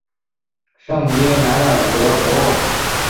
圣伊莱尔德博瓦。